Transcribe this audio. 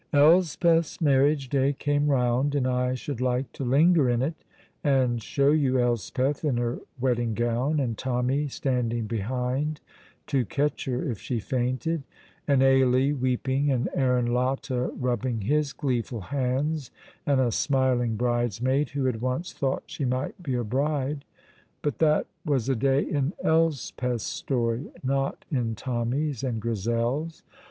Elspeth's marriage day came round, and I should like to linger in it, and show you Elspeth in her wedding gown, and Tommy standing behind to catch her if she fainted, and Ailie weeping, and Aaron Latta rubbing his gleeful hands, and a smiling bridesmaid who had once thought she might be a bride. But that was a day in Elspeth's story, not in Tommy's and Grizel's.